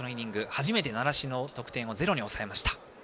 初めて習志野の得点をゼロに抑えました。